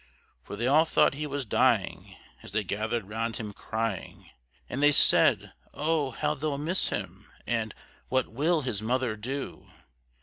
For they all thought he was dying, as they gathered round him crying, And they said, "Oh, how they'll miss him!" and, "What will his mother do?"